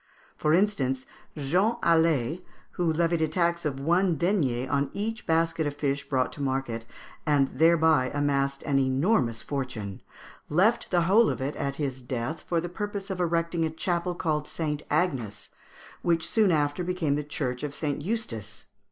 For instance, Jean Alais, who levied a tax of one denier on each basket of fish brought to market, and thereby amassed an enormous fortune, left the whole of it at his death for the purpose of erecting a chapel called St. Agnes, which soon after became the church of St. Eustace.